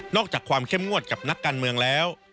อกจากความเข้มงวดกับนักการเมืองแล้ว